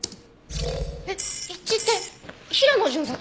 えっ一致って平野巡査と？